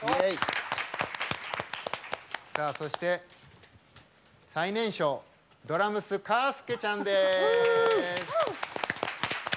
そして、最年少、ドラムスカースケちゃんです！